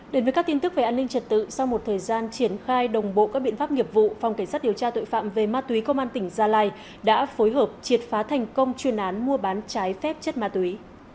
đến với các tin tức về an ninh trật tự sau một thời gian triển khai đồng bộ các biện pháp nghiệp vụ phòng cảnh sát điều tra tội phạm về ma túy công an tỉnh gia lai đã phối hợp triệt phá thành công chuyên án mua bán trái phép chất ma túy